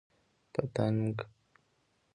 🦋 پتنګ